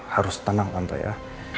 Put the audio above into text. harus tenang tante ya